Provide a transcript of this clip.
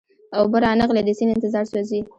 اوبه را نغلې د سیند انتظار سوزي